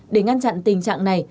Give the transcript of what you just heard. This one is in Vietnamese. để ngăn chặn tình trạng này